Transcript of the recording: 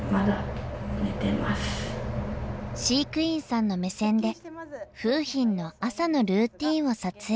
飼育員さんの目線で楓浜の朝のルーティーンを撮影。